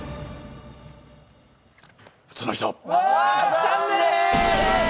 普通の人。